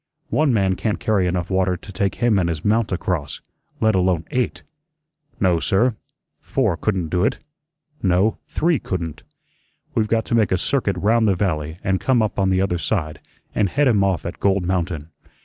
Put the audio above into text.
"One man can't carry enough water to take him and his mount across, let alone EIGHT. No, sir. Four couldn't do it. No, THREE couldn't. We've got to make a circuit round the valley and come up on the other side and head him off at Gold Mountain.